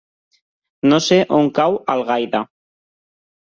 No sé on cau Algaida.